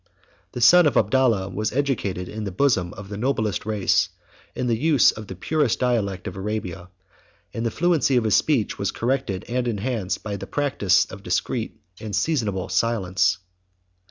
The son of Abdallah was educated in the bosom of the noblest race, in the use of the purest dialect of Arabia; and the fluency of his speech was corrected and enhanced by the practice of discreet and seasonable silence.